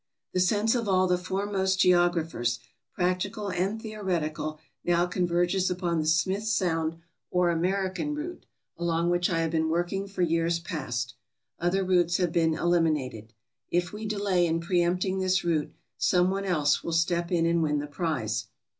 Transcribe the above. "The sense of all the foremost geographers — practical and theoretical — now converges upon the Smith Sound or American Route, along which I have been working for years past. Other routes have been eliminated. If we delay in preempting this route, some one else will step in and win the prize.